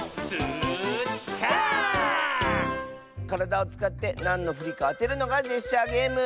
からだをつかってなんのフリかあてるのがジェスチャーゲーム！